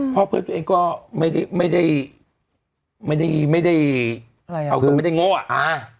เพื่อนตัวเองก็ไม่ได้ไม่ได้อะไรเอาคือไม่ได้โง่อ่ะอ่า